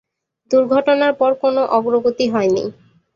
দুর্ঘটনার পর কোন অগ্রগতি হয়নি।